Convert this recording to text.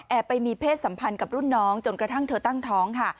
ไปมีเพศสัมพันธ์กับรุ่นน้องจนกระทั่งเธอตั้งท้องค่ะ